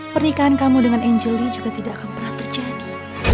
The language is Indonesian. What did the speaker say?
pernikahan kamu dengan angeli juga tidak akan pernah terjadi